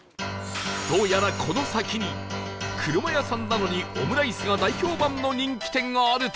どうやらこの先に車屋さんなのにオムライスが大評判の人気店があるとの事